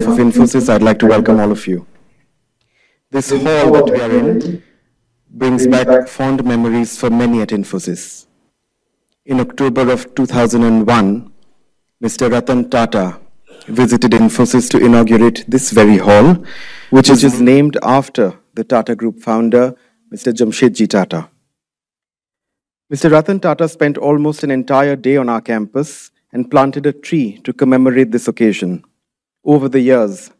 I'd like to welcome all of you. This hall that we are in brings back fond memories for many at Infosys. In October of two thousand and one, Mr. Ratan Tata visited Infosys to inaugurate this very hall, which is named after the Tata Group founder, Mr. Jamsetji Tata. Mr. Ratan Tata spent almost an entire day on our campus and planted a tree to commemorate this occasion. Over the years,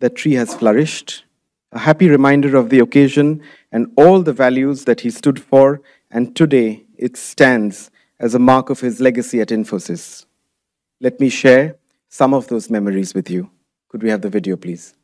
that tree has flourished. A happy reminder of the occasion and all the values that he stood for, and today it stands as a mark of his legacy at Infosys. Let me share some of those memories with you. Could we have the video, please?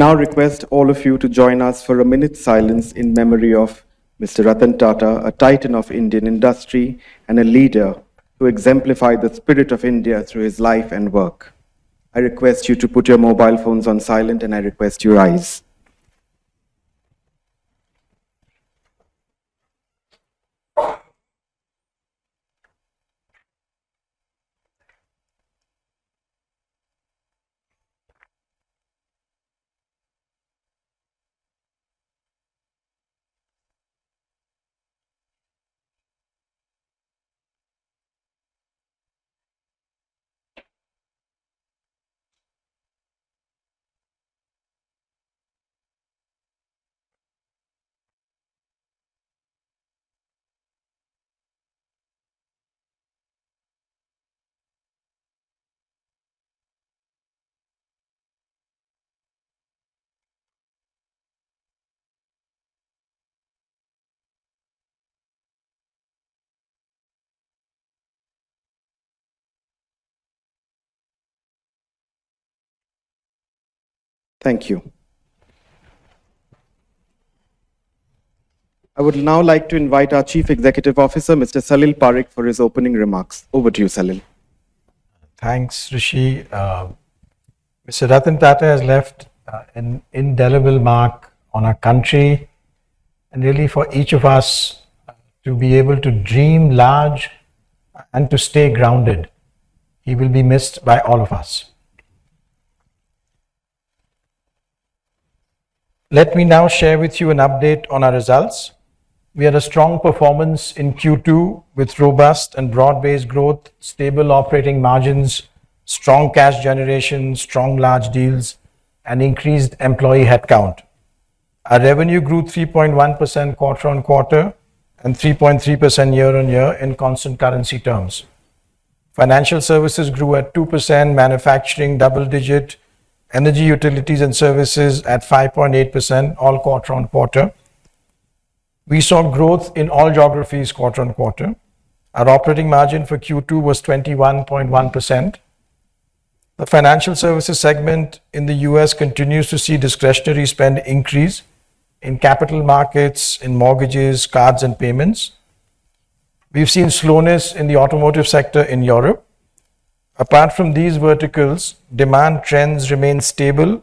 I now request all of you to join us for a minute's silence in memory of Mr. Ratan Tata, a titan of Indian industry and a leader who exemplified the spirit of India through his life and work. I request you to put your mobile phones on silent, and I request you rise. Thank you. I would now like to invite our Chief Executive Officer, Mr. Salil Parekh, for his opening remarks. Over to you, Salil. Thanks, Rishi. Mr. Ratan Tata has left an indelible mark on our country and really for each of us to be able to dream large and to stay grounded. He will be missed by all of us. Let me now share with you an update on our results. We had a strong performance in Q2, with robust and broad-based growth, stable operating margins, strong cash generation, strong large deals, and increased employee headcount. Our revenue grew 3.1% quarter-on-quarter and 3.3% year-on-year in constant currency terms. Financial services grew at 2%, manufacturing double digit, energy, utilities, and services at 5.8%, all quarter-on-quarter. We saw growth in all geographies quarter-on-quarter. Our operating margin for Q2 was 21.1%. The financial services segment in the U.S. continues to see discretionary spend increase in capital markets, in mortgages, cards, and payments. We've seen slowness in the automotive sector in Europe. Apart from these verticals, demand trends remain stable,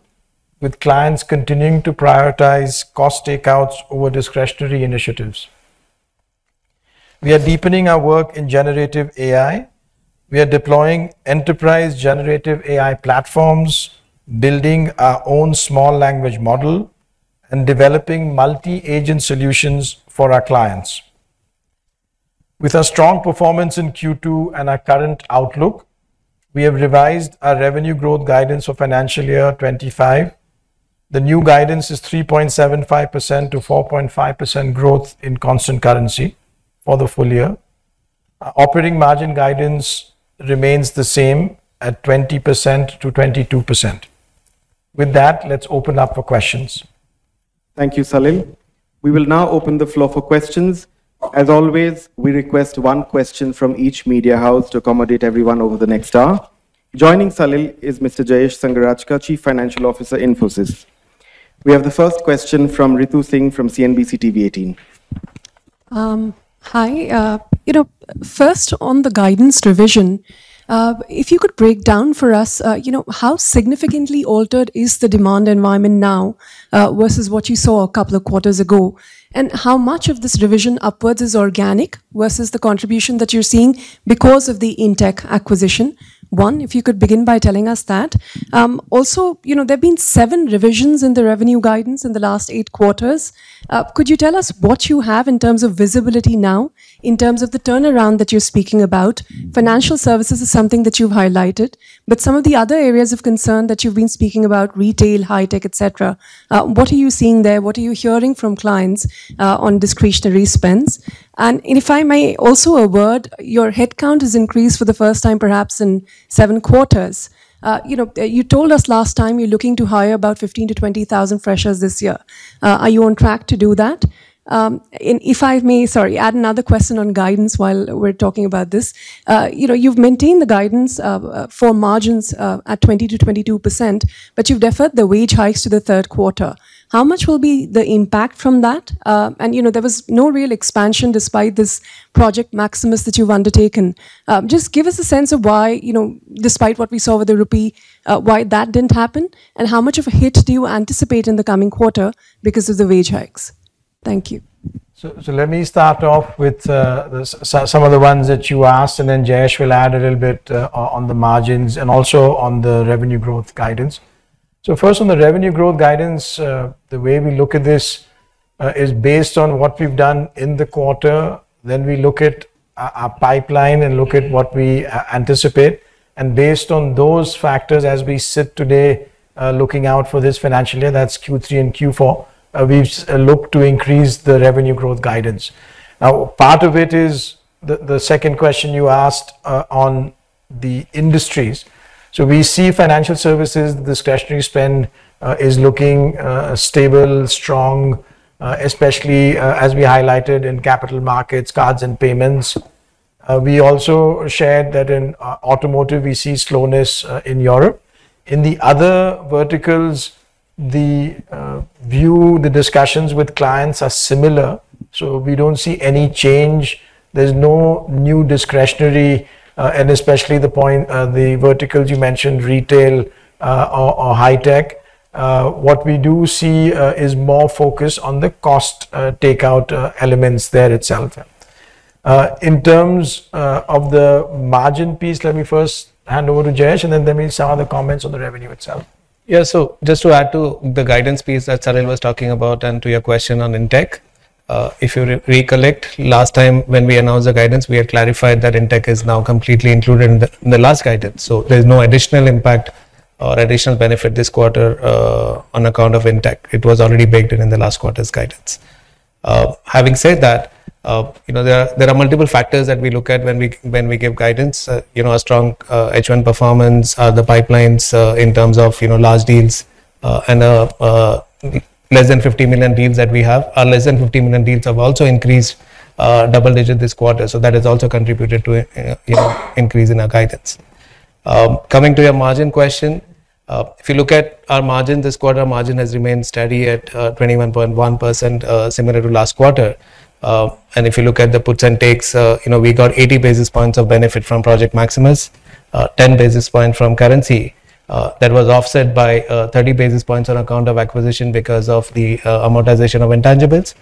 with clients continuing to prioritize cost takeouts over discretionary initiatives. We are deepening our work in generative AI. We are deploying enterprise generative AI platforms, building our own small language model, and developing multi-agent solutions for our clients. With our strong performance in Q2 and our current outlook, we have revised our revenue growth guidance for financial year 2025. The new guidance is 3.75%-4.5% growth in constant currency for the full year. Our operating margin guidance remains the same at 20%-22%. With that, let's open up for questions. Thank you, Salil. We will now open the floor for questions. As always, we request one question from each media house to accommodate everyone over the next hour. Joining Salil is Mr. Jayesh Sanghrajka, Chief Financial Officer, Infosys. We have the first question from Ritu Singh from CNBC-TV18. Hi, first, on the guidance revision, if you could break down for us how significantly altered is the demand environment now, versus what you saw a couple of quarters ago? And how much of this revision upwards is organic versus the contribution that you're seeing because of the in-tech acquisition? One, if you could begin by telling us that. Also, there have been seven revisions in the revenue guidance in the last eight quarters. Could you tell us what you have in terms of visibility now, in terms of the turnaround that you're speaking about? Financial services is something that you've highlighted, but some of the other areas of concern that you've been speaking about, retail, high tech, et cetera, what are you seeing there? What are you hearing from clients, on discretionary spends? And if I may, also a word, your headcount has increased for the first time, perhaps in seven quarters. You know, you told us last time you're looking to hire about 15,000-20,000 freshers this year. Are you on track to do that? And if I may, sorry, add another question on guidance while we're talking about this. You know, you've maintained the guidance for margins at 20%-22%, but you've deferred the wage hikes to the third quarter. How much will be the impact from that? And, you know, there was no real expansion despite this Project Maximus that you've undertaken. Just give us a sense of why, you know, despite what we saw with the rupee, why that didn't happen, and how much of a hit do you anticipate in the coming quarter because of the wage hikes? Thank you. So let me start off with some of the ones that you asked, and then Jayesh will add a little bit on the margins and also on the revenue growth guidance. So first, on the revenue growth guidance, the way we look at this is based on what we've done in the quarter. Then we look at our pipeline and look at what we anticipate, and based on those factors, as we sit today, looking out for this financial year, that's Q3 and Q4, we've looked to increase the revenue growth guidance. Now, part of it is the second question you asked on the industries. So we see financial services, discretionary spend is looking stable, strong, especially as we highlighted in capital markets, cards and payments. We also shared that in automotive, we see slowness in Europe. In the other verticals, the view, the discussions with clients are similar, so we don't see any change. There's no new discretionary, and especially the point, the verticals you mentioned, retail, or high tech. What we do see is more focus on the cost takeout elements there itself. In terms of the margin piece, let me first hand over to Jayesh, and then there may be some other comments on the revenue itself. Yeah, so just to add to the guidance piece that Salil was talking about and to your question on in-tech. If you recollect, last time when we announced the guidance, we had clarified that in-tech is now completely included in the last guidance, so there is no additional impact or additional benefit this quarter on account of in-tech. It was already baked in in the last quarter's guidance. Having said that, you know, there are multiple factors that we look at when we give guidance. You know, a strong H1 performance, the pipelines in terms of large deals and less than 50 million deals that we have. Our less than 50 million deals have also increased, double digit this quarter, so that has also contributed to a, you know, increase in our guidance. Coming to your margin question, if you look at our margin, this quarter, margin has remained steady at, 21.1%, similar to last quarter. And if you look at the puts and takes, you know, we got 80 basis points of benefit from Project Maximus, 10 basis points from currency. That was offset by, 30 basis points on account of acquisition because of the, amortization of intangibles,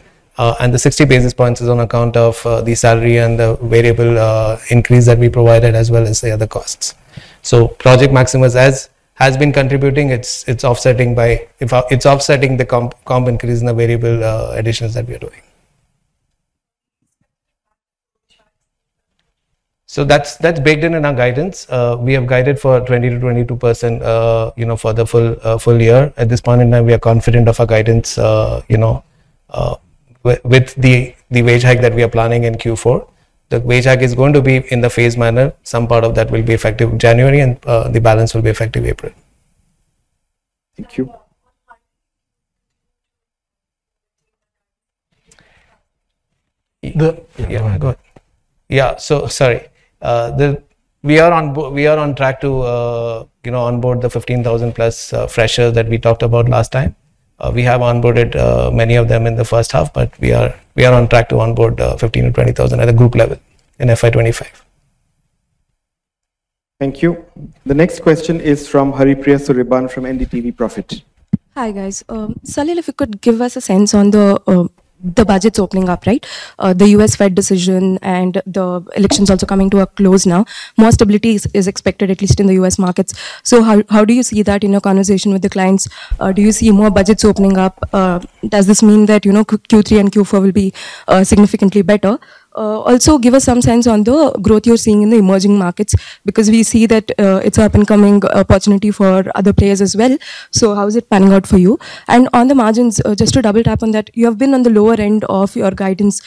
and the 60 basis points is on account of, the salary and the variable, increase that we provided, as well as the other costs. So Project Maximus has been contributing. It's offsetting the comp increase in the variable additions that we are doing. So that's baked in in our guidance. We have guided for 20-22%, you know, for the full year. At this point in time, we are confident of our guidance, you know, with the wage hike that we are planning in Q4. The wage hike is going to be in the phased manner. Some part of that will be effective January, and the balance will be effective April. Thank you. Go ahead. So sorry. We are on track to, you know, onboard the 15,000+ freshers that we talked about last time. We have onboarded many of them in the first half, but we are on track to onboard 15,000-20,000 at a group level in FY 2025. Thank you. The next question is from Haripriya Sureban from NDTV Profit. Hi, guys. Salil, if you could give us a sense on the budgets opening up, right? The U.S. Fed decision and the elections also coming to a close now. More stability is expected, at least in the US markets. So how do you see that in your conversation with the clients? Do you see more budgets opening up? Does this mean that, you know, Q3 and Q4 will be significantly better? Also, give us some sense on the growth you're seeing in the emerging markets, because we see that it's an up-and-coming opportunity for other players as well. So how is it panning out for you? And on the margins, just to double tap on that, you have been on the lower end of your guidance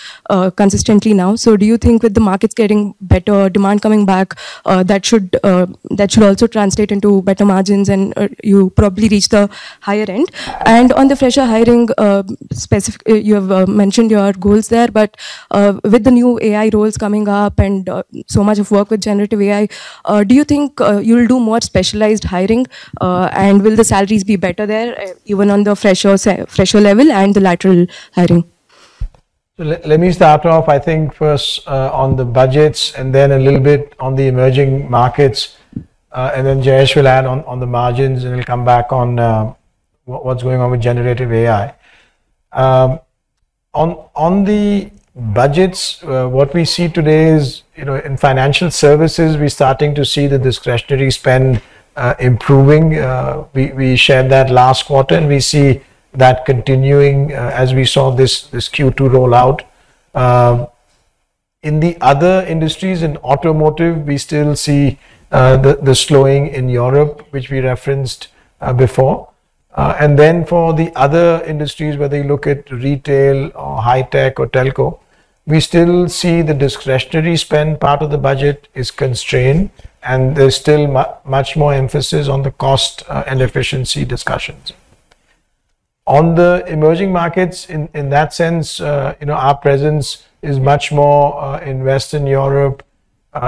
consistently now. So do you think with the markets getting better, demand coming back, that should also translate into better margins, and you probably reach the higher end? And on the fresher hiring, specifically you have mentioned your goals there, but with the new AI roles coming up and so much of work with generative AI, do you think you will do more specialized hiring? And will the salaries be better there, even on the fresher level and the lateral hiring? Let me start off, I think, first, on the budgets, and then a little bit on the emerging markets, and then Jayesh will add on, on the margins, and we'll come back on, what's going on with generative AI. On the budgets, what we see today is, you know, in financial services, we're starting to see the discretionary spend improving. We shared that last quarter, and we see that continuing, as we saw this Q2 roll out. In the other industries, in automotive, we still see the slowing in Europe, which we referenced before. And then for the other industries, whether you look at retail or high tech or telco, we still see the discretionary spend part of the budget is constrained, and there's still much more emphasis on the cost, and efficiency discussions. On the emerging markets, in that sense, you know, our presence is much more in Western Europe,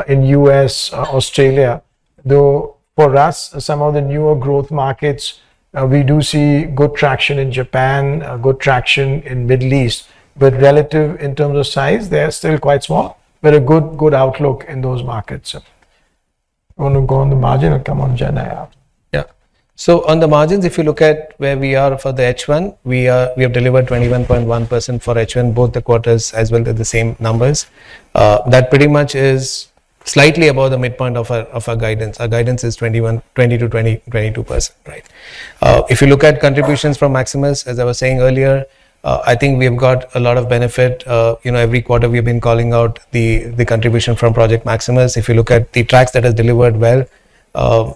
in U.S., Australia, though for us, some of the newer growth markets, we do see good traction in Japan, good traction in Middle East, but relative in terms of size, they're still quite small, but a good, good outlook in those markets. You want to go on the margin or come on Gen AI? Yeah. So on the margins, if you look at where we are for the H1, we have delivered 21.1% for H1, both the quarters as well, they're the same numbers. That is slightly above the midpoint of our guidance. Our guidance is 20%-22%, right? If you look at contributions from Maximus, as I was saying earlier, I think we've got a lot of benefit. You know, every quarter, we've been calling out the contribution from Project Maximus. If you look at the tracks that has delivered well,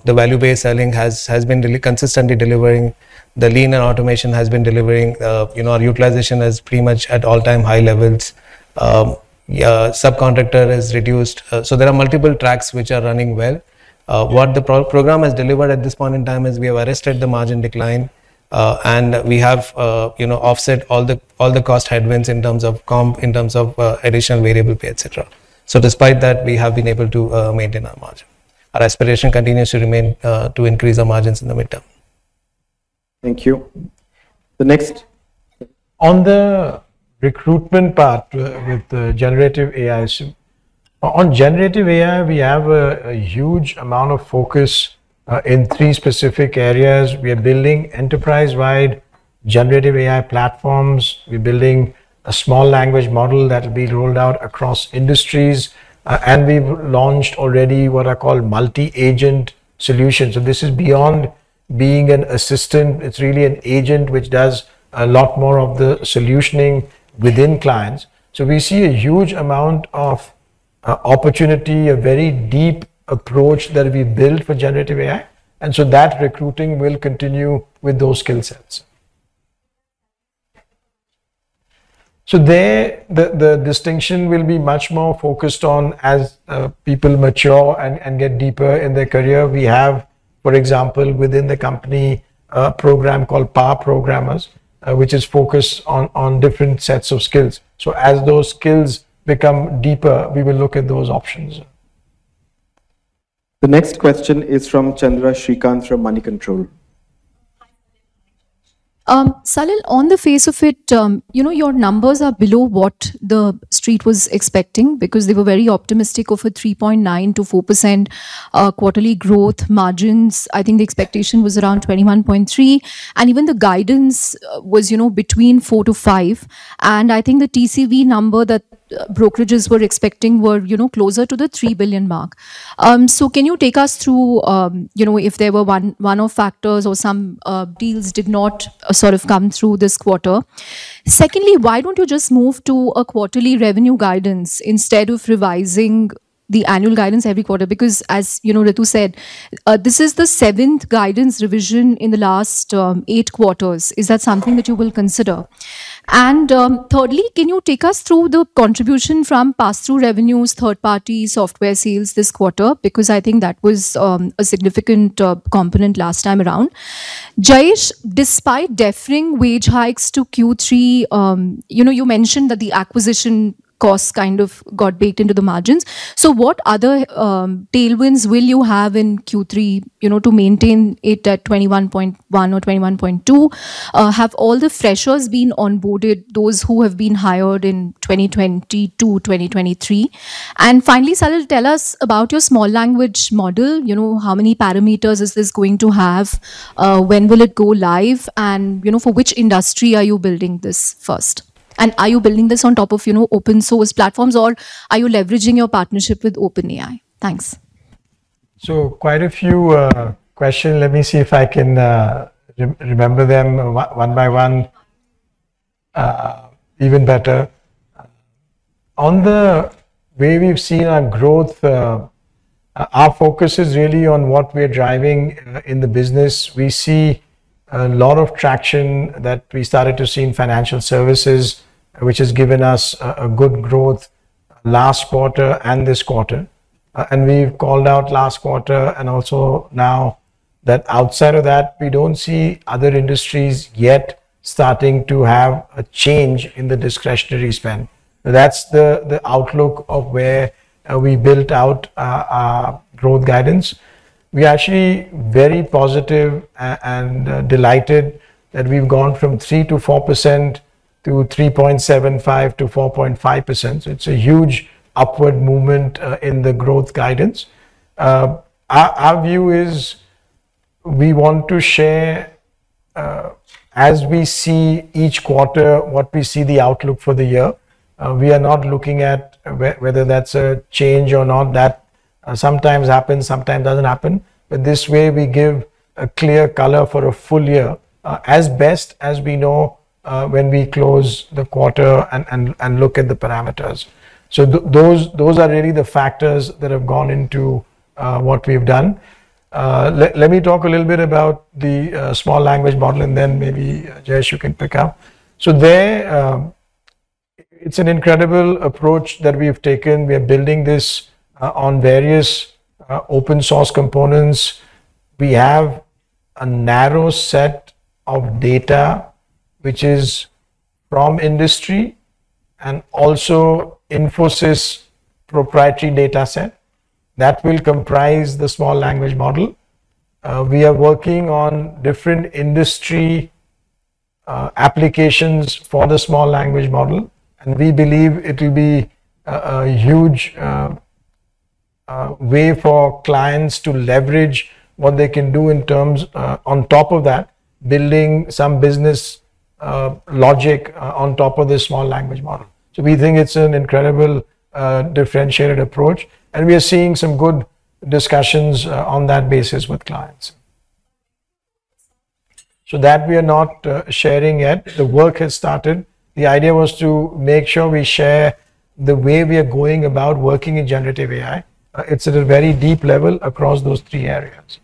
the value-based selling has been consistently delivering. The lean and automation has been delivering. You know, our utilization is pretty much at all-time high levels. Subcontractor has reduced. So there are multiple tracks which are running well. What the program has delivered at this point in time is we have arrested the margin decline, and we have, you know, offset all the cost headwinds in terms of comp, in terms of additional variable pay, et cetera. So despite that, we have been able to maintain our margin. Our aspiration continues to remain to increase our margins in the midterm. Thank you. On the recruitment part, with the generative AI. On generative AI, we have a huge amount of focus in three specific areas. We are building enterprise-wide generative AI platforms. We're building a small language model that will be rolled out across industries, and we've launched already what are called multi-agent solutions. So this is beyond being an assistant. It's really an agent which does a lot more of the solutioning within clients. So we see a huge amount of opportunity, a very deep approach that we built for generative AI, and so that recruiting will continue with those skill sets. So there, the distinction will be much more focused on as people mature and get deeper in their career. We have, for example, within the company, a program called Power Programmers, which is focused on different sets of skills. So as those skills become deeper, we will look at those options. The next question is from Chandra Srikanth from Moneycontrol. Salil, on the face of it, you know, your numbers are below what the street was expecting because they were very optimistic of a 3.9%-4% quarterly growth margins. I think the expectation was around 21.3%, and even the guidance was, you know, between 4%-5%, and I think the TCV number that brokerages were expecting were, you know, closer to the $3 billion mark. So can you take us through, you know, if there were one-off factors or some deals did not sort of come through this quarter? Secondly, why don't you just move to a quarterly revenue guidance instead of revising the annual guidance every quarter? Because as you know, Ritu said, this is the seventh guidance revision in the last eight quarters. Is that something that you will consider? Thirdly, can you take us through the contribution from pass-through revenues, third-party software sales this quarter? Because I think that was a significant component last time around. Jayesh, despite deferring wage hikes to Q3, you know, you mentioned that the acquisition costs kind of got baked into the margins. What other tailwinds will you have in Q3, you know, to maintain it at 21.1%-21.2%? Have all the freshers been onboarded, those who have been hired in 2020-2023? And finally, Salil, tell us about your small language model. You know, how many parameters is this going to have? When will it go live? And, you know, for which industry are you building this first? Are you building this on top of, you know, open source platforms, or are you leveraging your partnership with OpenAI? Thanks. So quite a few questions. Let me see if I can remember them one by one, even better. On the way we've seen our growth, our focus is really on what we're driving in the business. We see a lot of traction that we started to see in financial services, which has given us a good growth last quarter and this quarter, and we've called out last quarter and also now that outside of that, we don't see other industries yet starting to have a change in the discretionary spend. That's the outlook of where we built out our growth guidance. We are actually very positive and delighted that we've gone from 3%-4% to 3.75%-4.5%. So it's a huge upward movement in the growth guidance. Our view is we want to share, as we see each quarter, what we see the outlook for the year. We are not looking at whether that's a change or not, sometimes happens, sometimes doesn't happen. But this way, we give a clear color for a full year, as best as we know, when we close the quarter and look at the parameters. Those are really the factors that have gone into what we've done. Let me talk a little bit about the small language model, and then maybe, Jayesh, you can pick up. So there, it's an incredible approach that we have taken. We are building this on various open source components. We have a narrow set of data, which is from industry and also Infosys proprietary dataset. That will comprise the small language model. We are working on different industry applications for the small language model, and we believe it will be a huge way for clients to leverage what they can do in terms on top of that, building some business logic on top of this small language model. So we think it's an incredible differentiated approach, and we are seeing some good discussions on that basis with clients. So that we are not sharing yet. The work has started. The idea was to make sure we share the way we are going about working in generative AI. It's at a very deep level across those three areas.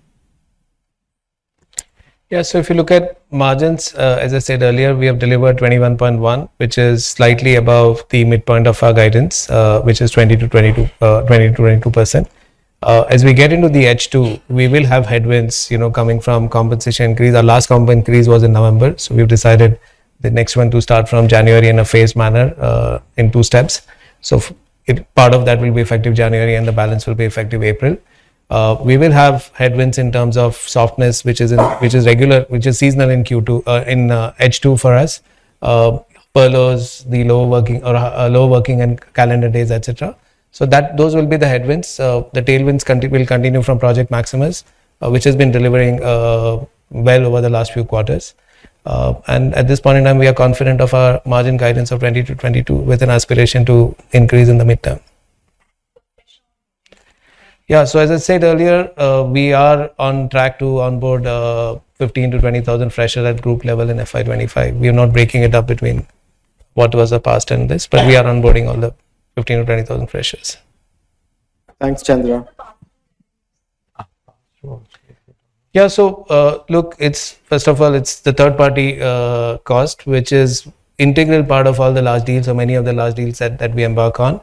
Yeah. So if you look at margins, as I said earlier, we have delivered 21.1%, which is slightly above the midpoint of our guidance, which is 20%-22%. As we get into the H2, we will have headwinds, you know, coming from compensation increase. Our last comp increase was in November, so we've decided the next one to start from January in a phased manner, in two steps. So part of that will be effective January, and the balance will be effective April. We will have headwinds in terms of softness, which is regular, which is seasonal in Q2, in H2 for us, furloughs, low working and calendar days, et cetera. So those will be the headwinds. The tailwinds will continue from Project Maximus, which has been delivering well over the last few quarters, and at this point in time, we are confident of our margin guidance of 20%-22%, with an aspiration to increase in the medium term. Yeah, so as I said earlier, we are on track to onboard 15,000-20,000 freshers at group level in FY 2025. We are not breaking it up between what was the past and this, but we are onboarding all the 15,000-20,000 freshers. Thanks, Chandra. Yeah. So, look, it's first of all, it's the third-party cost, which is integral part of all the large deals or many of the large deals that we embark on,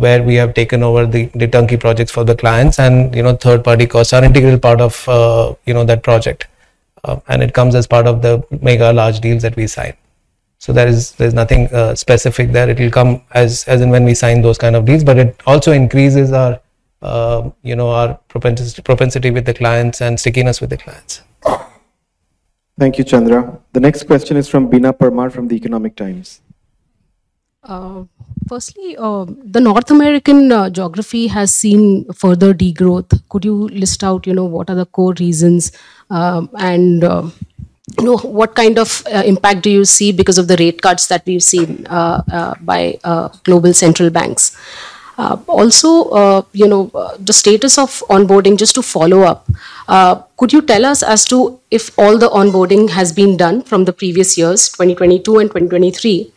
where we have taken over the turnkey projects for the clients, and, you know, third-party costs are integral part of that project. And it comes as part of the mega large deals that we sign. So there is, there's nothing specific there. It will come as and when we sign those kind of deals, but it also increases our propensity with the clients and stickiness with the clients. Thank you, Chandra. The next question is from Beena Parmar from The Economic Times. Firstly, the North American geography has seen further degrowth. Could you list out, you know, what are the core reasons? And, you know, what kind of impact do you see because of the rate cuts that we've seen by global central banks? Also, you know, the status of onboarding, just to follow up, could you tell us as to if all the onboarding has been done from the previous years, 2022 and 2023,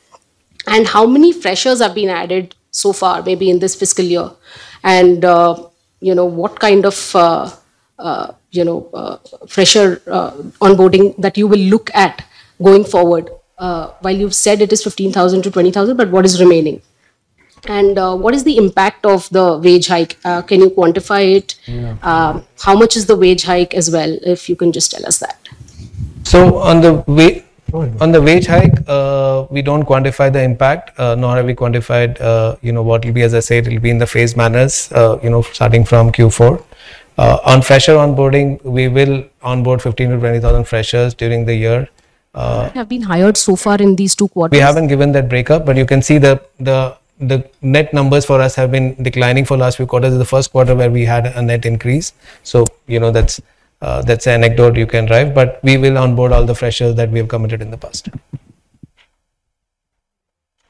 and how many freshers have been added so far, maybe in this fiscal year? And, you know, what kind of fresher onboarding that you will look at going forward? While you've said it is 15,000-20,000, but what is remaining? And, what is the impact of the wage hike? Can you quantify it? How much is the wage hike as well, if you can just tell us that? So on the wage hike, we don't quantify the impact, nor have we quantified, you know, what will be, as I said, it will be in the phased manner, you know, starting from Q4. On fresher onboarding, we will onboard 15,000-20,00 freshers during the year. How many have been hired so far in these two quarters? We haven't given that breakup, but you can see the net numbers for us have been declining for the last few quarters. This is the first quarter where we had a net increase. So, you know, that's an anecdote you can derive, but we will onboard all the freshers that we have committed in the past.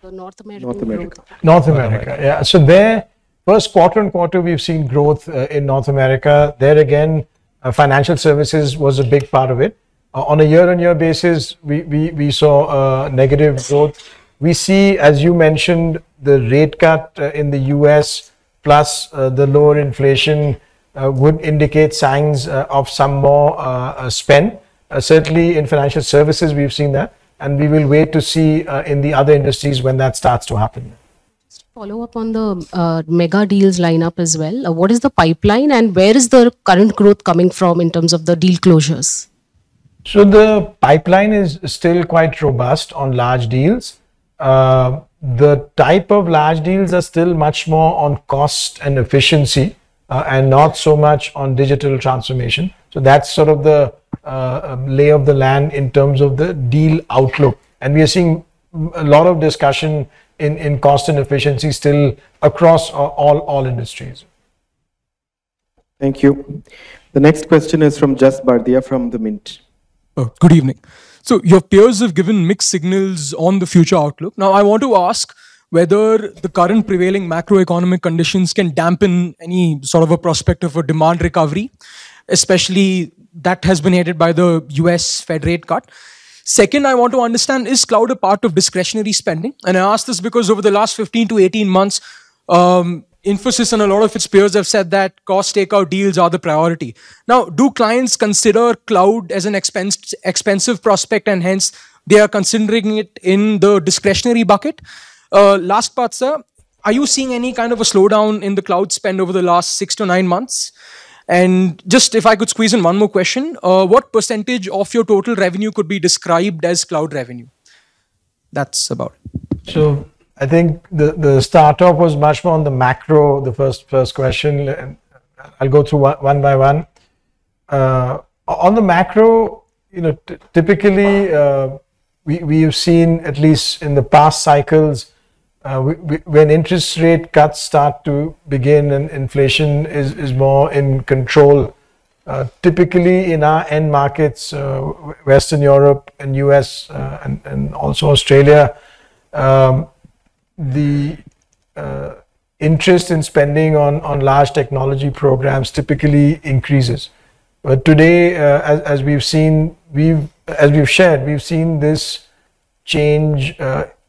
The North America. North America. North America. Yeah. So there, first quarter-on-quarter, we've seen growth in North America. There again, financial services was a big part of it. On a year-on-year basis, we saw negative growth. We see, as you mentioned, the rate cut in the U.S., plus the lower inflation would indicate signs of some more spend. Certainly in financial services, we've seen that, and we will wait to see in the other industries when that starts to happen. Just to follow up on the mega deals lineup as well, what is the pipeline, and where is the current growth coming from in terms of the deal closures? So the pipeline is still quite robust on large deals. The type of large deals are still much more on cost and efficiency, and not so much on digital transformation. So that's sort of the lay of the land in terms of the deal outlook. And we are seeing a lot of discussion in cost and efficiency still across all industries. Thank you. The next question is from Jas Kripalani from The Mint. Oh, good evening. So your peers have given mixed signals on the future outlook. Now, I want to ask whether the current prevailing macroeconomic conditions can dampen any sort of a prospect of a demand recovery, especially that has been aided by the U.S. Fed rate cut? Second, I want to understand, is cloud a part of discretionary spending? And I ask this because over the last 15-18 months, Infosys and a lot of its peers have said that cost takeout deals are the priority. Now, do clients consider cloud as an expensive prospect, and hence they are considering it in the discretionary bucket? Last part, sir, are you seeing any kind of a slowdown in the cloud spend over the last 6-9 months? Just if I could squeeze in one more question, what percentage of your total revenue could be described as cloud revenue? That's about it. So I think the start off was much more on the macro, the first question, and I'll go through one by one. On the macro, you know, typically we've seen, at least in the past cycles, when interest rate cuts start to begin and inflation is more in control, typically in our end markets, Western Europe and U.S., and also Australia, the interest in spending on large technology programs typically increases. But today, as we've seen, as we've shared, we've seen this change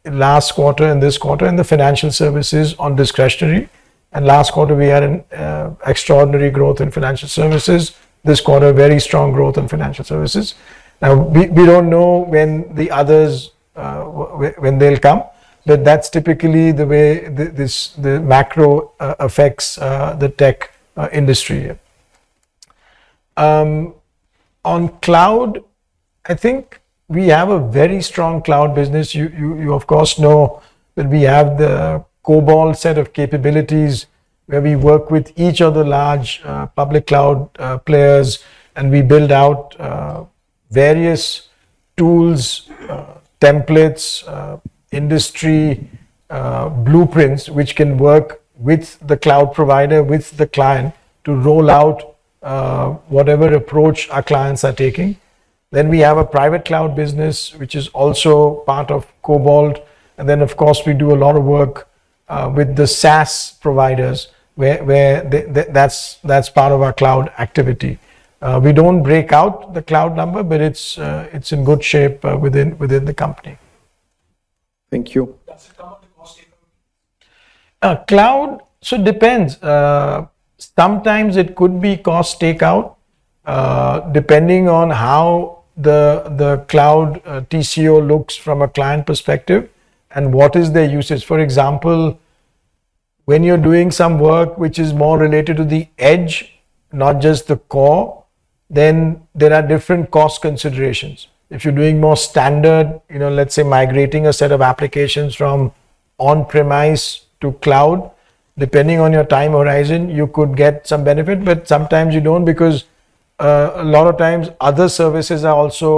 last quarter and this quarter in the financial services on discretionary. And last quarter, we had extraordinary growth in financial services. This quarter, very strong growth in financial services. Now, we don't know when the others when they'll come, but that's typically the way the macro affects the tech industry. On cloud, I think we have a very strong cloud business. You know that we have the Cobalt set of capabilities, where we work with each of the large public cloud players, and we build out various tools, templates, industry blueprints, which can work with the cloud provider, with the client to roll out whatever approach our clients are taking. Then we have a private cloud business, which is also part of Cobalt. And then, of course, we do a lot of work with the SaaS providers, where that's that's part of our cloud activity. We don't break out the cloud number, but it's in good shape within the company. Thank you. Does it come out to Cost Takeout? Cloud, so it depends. Sometimes it could be cost takeout, depending on how the cloud TCO looks from a client perspective and what is their usage. For example, when you're doing some work which is more related to the edge, not just the core, then there are different cost considerations. If you're doing more standard, you know, let's say, migrating a set of applications from on-premise to cloud, depending on your time horizon, you could get some benefit, but sometimes you don't because a lot of times other services are also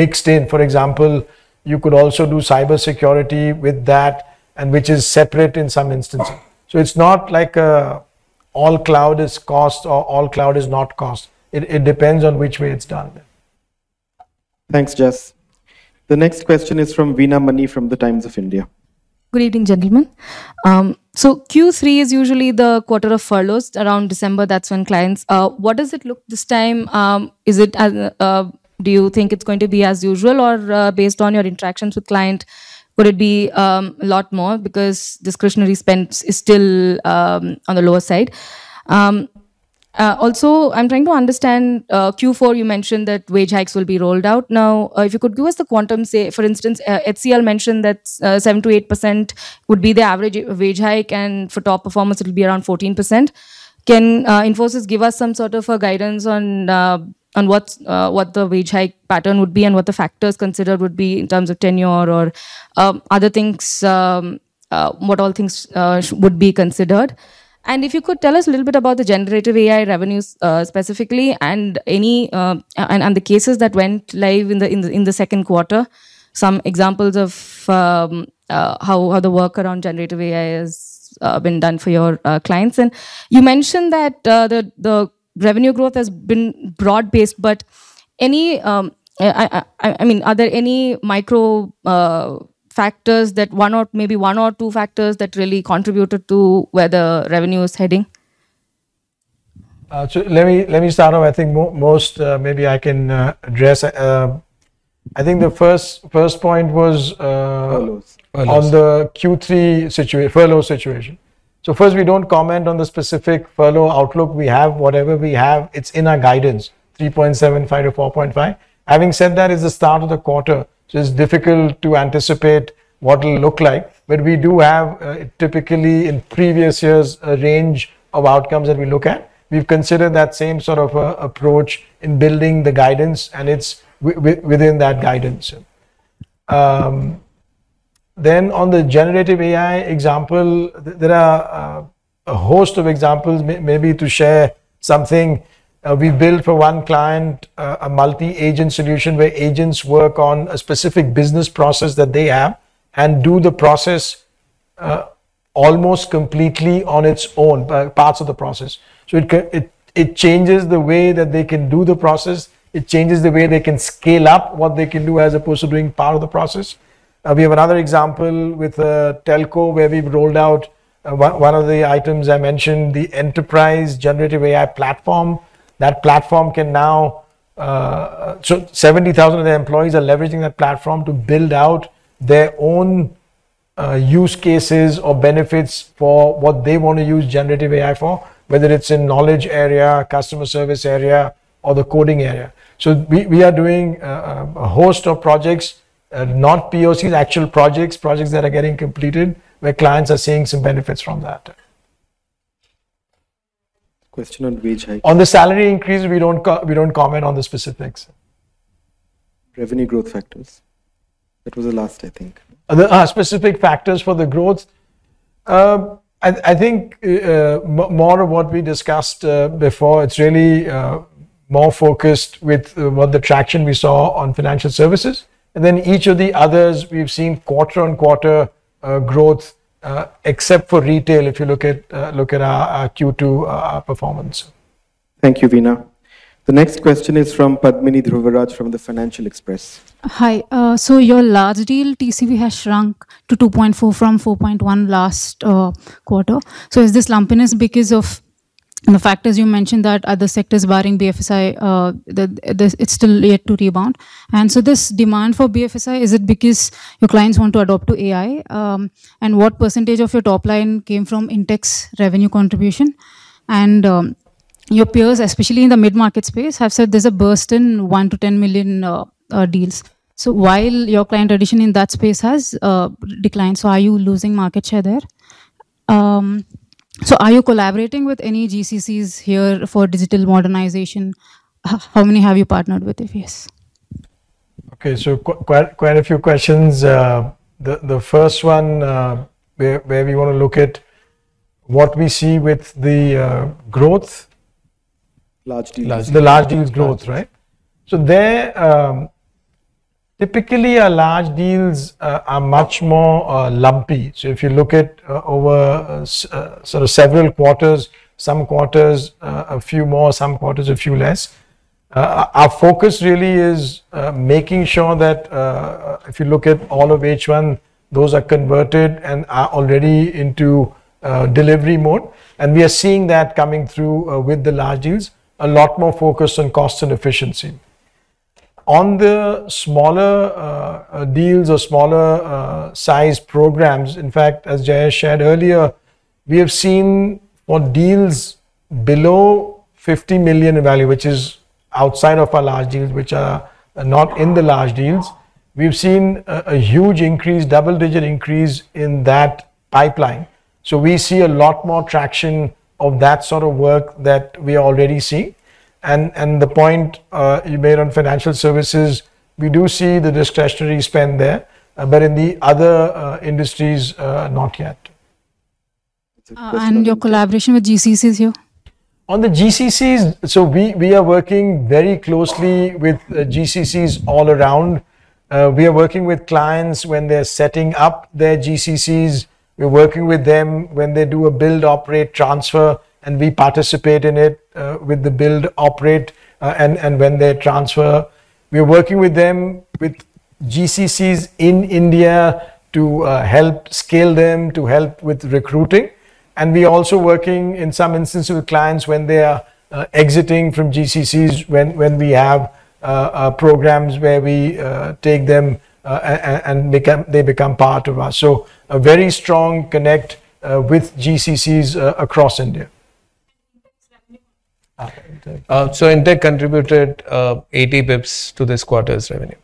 mixed in. For example, you could also do cybersecurity with that, and which is separate in some instances. So it's not like all cloud is cost or all cloud is not cost. It depends on which way it's done. Thanks, Jas. The next question is from Veena Mani from The Times of India. Good evening, gentlemen. So Q3 is usually the quarter of furloughs around December. What does it look like this time? Is it, do you think it's going to be as usual or, based on your interactions with client, would it be a lot more because discretionary spend is still on the lower side? Also, I'm trying to understand, Q4, you mentioned that wage hikes will be rolled out. Now, if you could give us the quantum, say, for instance, HCL mentioned that, 7%-8% would be the average wage hike, and for top performers, it will be around 14%. Can, Infosys give us some sort of a guidance on, on what's, what the wage hike pattern would be and what the factors considered would be in terms of tenure or, other things, what all things, would be considered? And if you could tell us a little bit about the generative AI revenues, specifically, and any, and, the cases that went live in the, in the, second quarter, some examples of, how, the work around generative AI has, been done for your, clients. And you mentioned that, the revenue growth has been broad-based, but any, I mean, are there any micro, factors that one or maybe one or two factors that really contributed to where the revenue is heading? So let me start off. I think most, maybe I can address. I think the first point was on the Q3 furlough situation. So first, we don't comment on the specific furlough outlook we have. Whatever we have, it's in our guidance, 3.75%-4.5%. Having said that, it's the start of the quarter, so it's difficult to anticipate what it'll look like. But we do have, typically in previous years, a range of outcomes that we look at. We've considered that same sort of approach in building the guidance, and it's within that guidance. Then on the generative AI example, there are a host of examples, maybe to share something. We built for one client a multi-agent solution where agents work on a specific business process that they have and do the process almost completely on its own, by parts of the process. So it changes the way that they can do the process. It changes the way they can scale up what they can do as opposed to doing part of the process. We have another example with Telco, where we've rolled out one of the items I mentioned, the Enterprise Generative AI Platform. That platform can now so seventy thousand of their employees are leveraging that platform to build out their own use cases or benefits for what they want to use generative AI for, whether it's in knowledge area, customer service area, or the coding area. So we are doing a host of projects, not POCs, actual projects, projects that are getting completed, where clients are seeing some benefits from that. Question on wage hike. On the salary increase, we don't comment on the specifics. Revenue growth factors. That was the last, I think. Specific factors for the growth. I think more of what we discussed before, it's really more focused with what the traction we saw on financial services. Then each of the others, we've seen quarter-on-quarter growth, except for retail, if you look at our Q2 performance. Thank you, Veena. The next question is from Padmini Dhruvaraj, from the Financial Express. Hi. So your large deal TCV has shrunk to 2.4 from 4.1 last quarter. So is this lumpiness because of the factors you mentioned, that other sectors barring BFSI, that there's it's still yet to rebound? And so this demand for BFSI, is it because your clients want to adopt AI? And what percentage of your top line came from in-tech revenue contribution? And your peers, especially in the mid-market space, have said there's a burst in 1-10 million deals. So while your client addition in that space has declined, so are you losing market share there? So are you collaborating with any GCCs here for digital modernization? How many have you partnered with, if yes? So quite a few questions. The first one, where we want to look at what we see with the growth? Large deals. The large deals growth, right? So there, typically our large deals are much more lumpy. So if you look at over sort of several quarters, some quarters a few more, some quarters a few less. Our focus really is making sure that if you look at all of H one, those are converted and are already into delivery mode. And we are seeing that coming through with the large deals, a lot more focus on cost and efficiency. On the smaller deals or smaller size programs, in fact, as Jay shared earlier, we have seen on deals below 50 million in value, which is outside of our large deals, which are not in the large deals, we've seen a huge increase, double-digit increase in that pipeline. We see a lot more traction of that sort of work that we already see. The point you made on financial services, we do see the discretionary spend there, but in the other industries, not yet. Your collaboration with GCCs here? On the GCCs, so we are working very closely with GCCs all around. We are working with clients when they're setting up their GCCs. We're working with them when they do a build, operate, transfer, and we participate in it, with the build, operate, and when they transfer. We are working with them, with GCCs in India, to help scale them, to help with recruiting. And we are also working in some instances with clients when they are exiting from GCCs, when we have programs where we take them, and they become part of us. So a very strong connect with GCCs across India. Infosys revenue? So in-tech contributed 80 basis points to this quarter's revenue.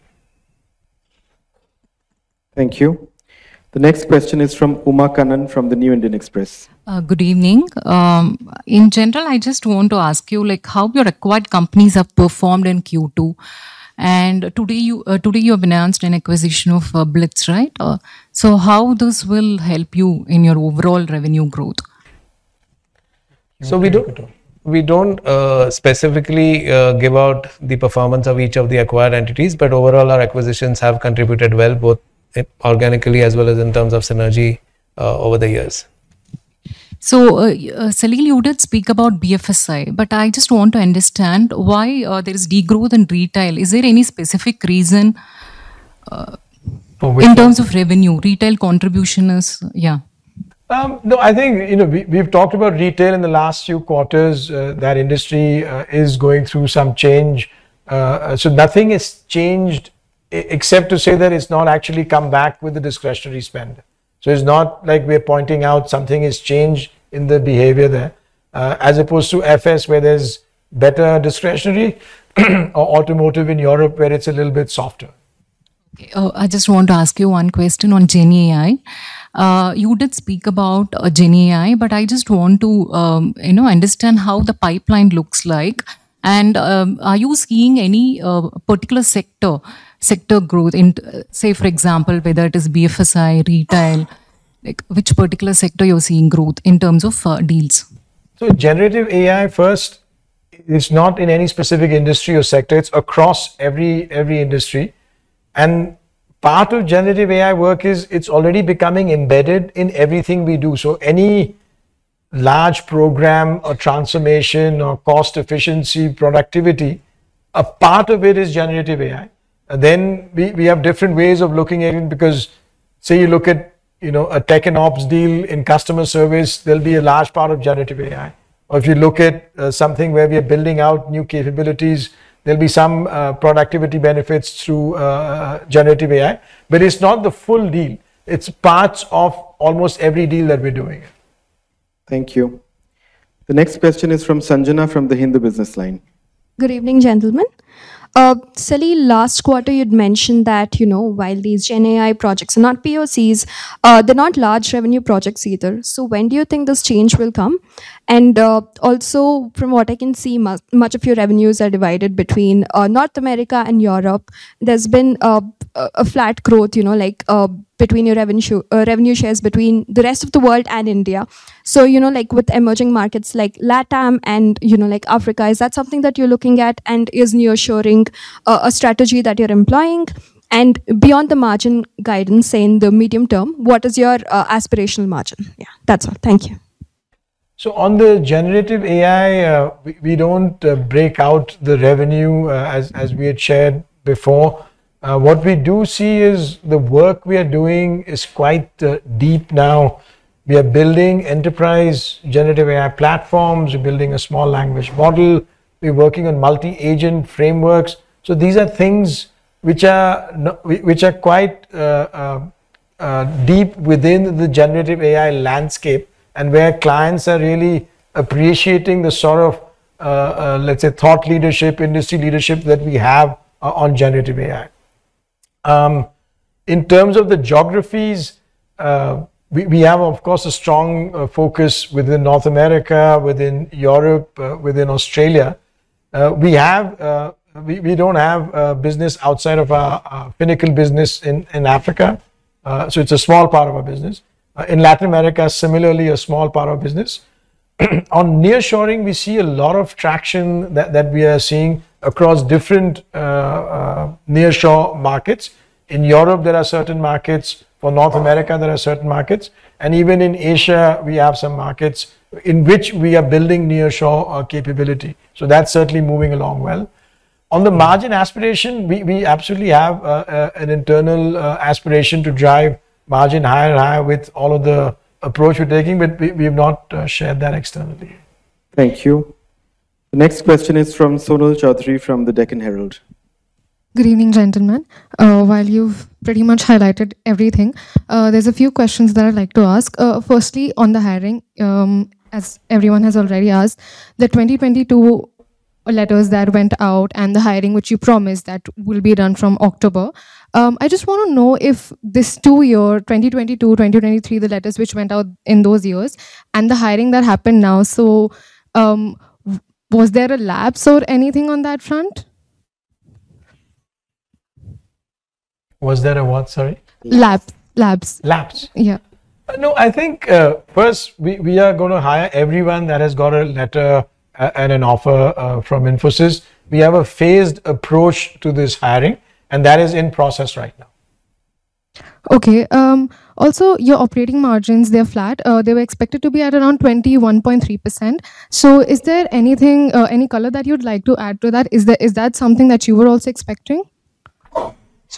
Thank you. The next question is from Uma Kannan, from The New Indian Express. Good evening. In general, I just want to ask you, like, how your acquired companies have performed in Q2? And today you have announced an acquisition of Blitz, right? So how this will help you in your overall revenue growth? We don't specifically give out the performance of each of the acquired entities, but overall, our acquisitions have contributed well, both organically as well as in terms of synergy, over the years. So, Salil, you did speak about BFSI, but I just want to understand why there is degrowth in retail. Is there any specific reason? For what? In terms of revenue, retail contribution. No, we've talked about retail in the last few quarters. That industry is going through some change. So nothing has changed except to say that it's not actually come back with the discretionary spend. So it's not like we're pointing out something has changed in the behavior there, as opposed to FS, where there's better discretionary, or automotive in Europe, where it's a little bit softer. I just want to ask you one question on GenAI. You did speak about GenAI, but I just want to, you know, understand how the pipeline looks like. Are you seeing any particular sector growth in, say, for example, whether it is BFSI, retail? Like which particular sector you're seeing growth in terms of deals? Generative AI first is not in any specific industry or sector. It's across every industry. Part of generative AI work is it's already becoming embedded in everything we do. Any large program or transformation or cost efficiency, productivity, a part of it is generative AI. We have different ways of looking at it because, say, you look at, you know, a tech and ops deal in customer service, there'll be a large part of generative AI. Or if you look at something where we are building out new capabilities, there'll be some productivity benefits through generative AI. But it's not the full deal. It's parts of almost every deal that we're doing. Thank you. The next question is from Sanjana from the Hindu Business Line. Good evening, gentlemen. Salil, last quarter you'd mentioned that, you know, while these gen AI projects are not POCs, they're not large revenue projects either. So when do you think this change will come? And also from what I can see, much of your revenues are divided between North America and Europe. There's been a flat growth, you know, like, between your revenue shares between the rest of the world and India. So, you know, like with emerging markets like LATAM and, you know, like Africa, is that something that you're looking at? And is nearshoring a strategy that you're employing? And beyond the margin guidance, say, in the medium term, what is your aspirational margin? Yeah, that's all. Thank you. So on the generative AI, we don't break out the revenue, as we had shared before. What we do see is the work we are doing is quite deep now. We are building enterprise generative AI platforms. We're building a small language model. We're working on multi-agent frameworks. So these are things which are quite deep within the generative AI landscape and where clients are really appreciating the sort of, let's say, thought leadership, industry leadership that we have on generative AI. In terms of the geographies, we have, of course, a strong focus within North America, within Europe, within Australia. We don't have business outside of our Finacle business in Africa, so it's a small part of our business. In Latin America, similarly, a small part of business. On nearshoring, we see a lot of traction that we are seeing across different nearshore markets. In Europe, there are certain markets. For North America, there are certain markets. And even in Asia, we have some markets in which we are building nearshore capability. So that's certainly moving along well. On the margin aspiration, we absolutely have an internal aspiration to drive margin higher and higher with all of the approach we're taking, but we have not shared that externally. Thank you. The next question is from Sonal Choudhary from the Deccan Herald. Good evening, gentlemen. While you've pretty much highlighted everything, there's a few questions that I'd like to ask. Firstly, on the hiring, as everyone has already asked, the 2022 letters that went out and the hiring, which you promised, that will be done from October. I just want to know if this two-year, 2022, 2023, the letters which went out in those years and the hiring that happened now, so, was there a lapse or anything on that front? Was there a what, sorry? Lapse. No, first, we are gonna hire everyone that has got a letter, and an offer, from Infosys. We have a phased approach to this hiring, and that is in process right now. Also, your operating margins, they're flat. They were expected to be at around 21.3%. So is there anything, any color that you'd like to add to that? Is that, is that something that you were also expecting?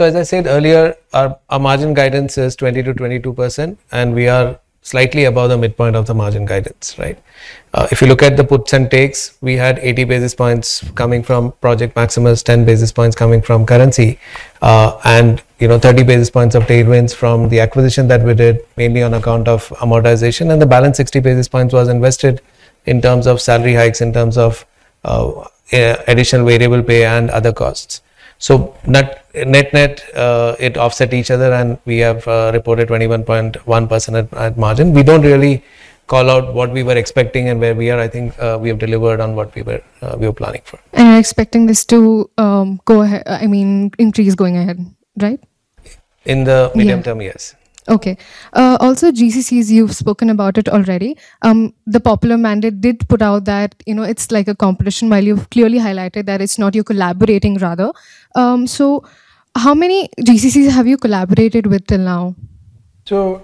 As I said earlier, our margin guidance is 20%-22%, and we are slightly above the midpoint of the margin guidance, right? If you look at the puts and takes, we had 80 basis points coming from Project Maximus, 10 basis points coming from currency, and, you know, 30 basis points of tailwinds from the acquisition that we did, mainly on account of amortization, and the balance 60 basis points was invested in terms of salary hikes, in terms of additional variable pay and other costs. So net-net, it offset each other, and we have reported 21.1% at margin. We don't really call out what we were expecting and where we are. I think we have delivered on what we were planning for. And you're expecting this to, I mean, increase going ahead, right? In the medium term, yes. Also, GCCs, you've spoken about it already. The popular mandate did put out that, you know, it's like a competition, while you've clearly highlighted that it's not, you're collaborating rather. So how many GCCs have you collaborated with till now? So,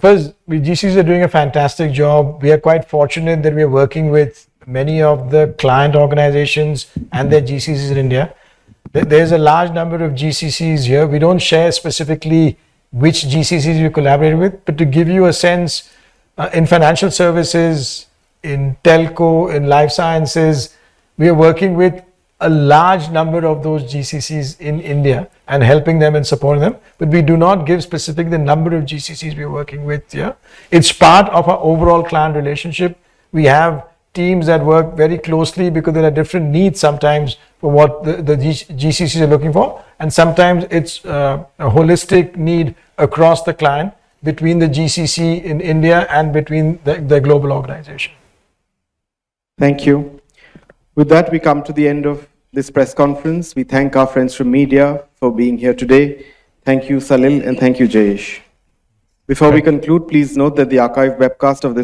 first, GCCs are doing a fantastic job. We are quite fortunate that we are working with many of the client organizations and their GCCs in India. There, there's a large number of GCCs here. We don't share specifically which GCCs we collaborate with, but to give you a sense, in financial services, in telco, in life sciences, we are working with a large number of those GCCs in India and helping them and supporting them. But we do not give specific the number of GCCs we are working with here. It's part of our overall client relationship. We have teams that work very closely because there are different needs sometimes for what the GCCs are looking for, and sometimes it's a holistic need across the client between the GCC in India and the global organization. Thank you. With that, we come to the end of this press conference. We thank our friends from media for being here today. Thank you, Salil, and thank you, Jayesh. Before we conclude, please note that the archive webcast of this-